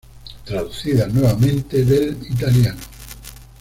Traducida nuevamente del italiano.